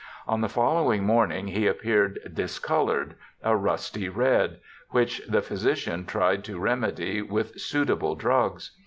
On the following morning he appeared discoloured a rusty red, which the physician tried to remedy with suitable drugs.